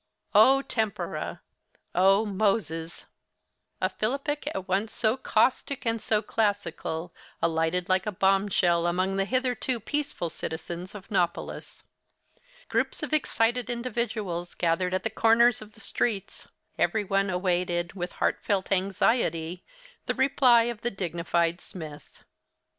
Oh, tempora! Oh, Moses!' A philippic at once so caustic and so classical, alighted like a bombshell among the hitherto peaceful citizens of Nopolis. Groups of excited individuals gathered at the corners of the streets. Every one awaited, with heartfelt anxiety, the reply of the dignified Smith.